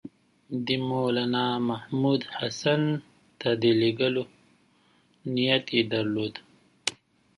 د مولنامحمود حسن ته د لېږلو نیت یې درلود.